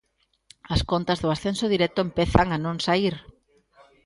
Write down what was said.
As contas do ascenso directo empezan a non saír.